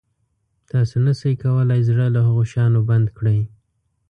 تاسو نه شئ کولای زړه له هغه شیانو بند کړئ.